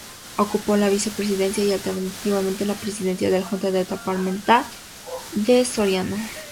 Ocupó la Vicepresidencia y alternativamente la Presidencia de la Junta Departamental de Soriano.